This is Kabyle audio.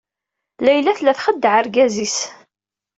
Layla tella txeddeɛ argaz-is.